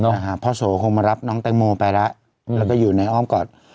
พ่อโสคงมารับน้องแตงโมไปแล้วแล้วก็อยู่ในอ้อมกอด